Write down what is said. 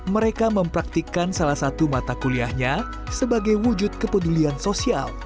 mereka mempraktikkan salah satu mata kuliahnya sebagai wujud kepedulian sosial